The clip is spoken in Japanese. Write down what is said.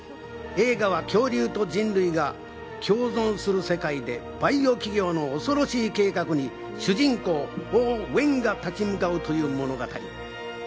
映画は恐竜と人類が共存する世界で、バイオ企業の恐ろしい計画に主人公・オーウェンが立ち向かうという物語。